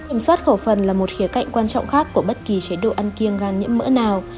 ông xoát khẩu phần là một khía cạnh quan trọng khác của bất kỳ chế độ ăn kiêng gan nhiễm mỡ nào